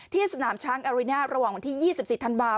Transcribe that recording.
สนามช้างอาริน่าระหว่างวันที่๒๔ธันวาค